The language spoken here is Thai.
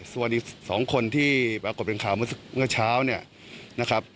ส่วนอีก๒คนที่ปรากฏเป็นข่าวเมื่อเช้าเนี่ยนะครับ